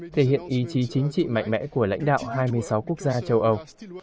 thể hiện ý chí chính trị mạnh mẽ của lãnh đạo hai mươi sáu quốc gia châu âu